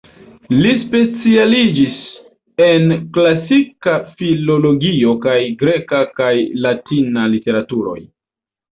Li specialiĝis en Klasika Filologio kaj greka kaj latina literaturoj.